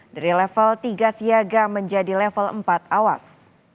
dari level tiga siaga menjadi level empat awas